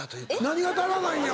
何が足らないのや？